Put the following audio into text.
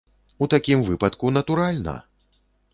У такім выпадку, натуральна!